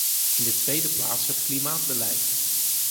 In de tweede plaats het klimaatbeleid.